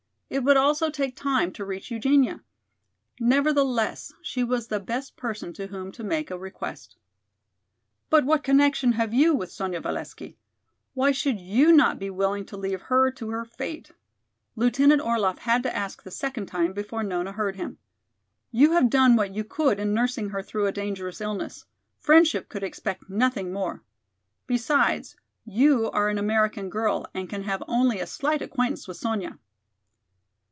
It would also take time to reach Eugenia. Nevertheless she was the best person to whom to make a request. "But what connection have you with Sonya Valesky? Why should you not be willing to leave her to her fate?" Lieutenant Orlaff had to ask the second time before Nona heard him. "You have done what you could in nursing her through a dangerous illness; friendship could expect nothing more. Besides, you are an American girl and can have only a slight acquaintance with Sonya."